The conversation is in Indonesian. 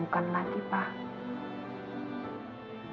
bukan lagi pak